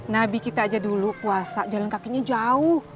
nabi kita aja dulu puasa jalan kakinya jauh